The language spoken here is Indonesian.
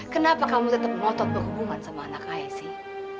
kenapa kamu tetap berhubungan sama anak saya